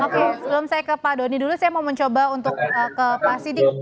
oke sebelum saya ke pak doni dulu saya mau mencoba untuk ke pak sidik